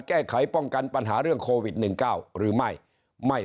แก้ไขป้องกันปัญหาเรื่องโควิด๑๙หรือไม่ไม่